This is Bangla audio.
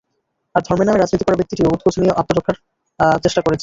আর ধর্মের নামে রাজনীতি করা ব্যক্তিটিও উৎকোচ দিয়ে আত্মরক্ষার চেষ্টা করেছেন।